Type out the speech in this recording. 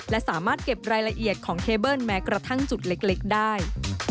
และสามารถเก็บรายละเอียดของเคเบิ้ลแม้กระทั่งจุดเล็กได้